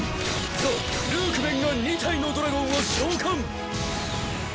ザ・ルークメンが２体のドラゴンを召喚！